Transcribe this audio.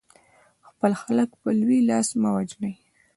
خپل خلک په لوی لاس مه وژنئ.